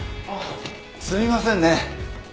あっすいませんね。